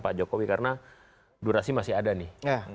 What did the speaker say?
pak jokowi karena durasi masih ada nih